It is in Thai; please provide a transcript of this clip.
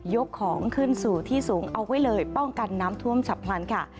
ของขึ้นสู่ที่สูงเอาไว้เลยป้องกันน้ำท่วมฉับพลันค่ะ